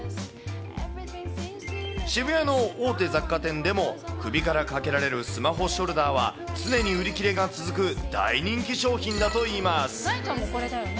渋谷の大手雑貨店でも首からかけられるスマホショルダーは、常に売り切れが続く大人気商品だといいます。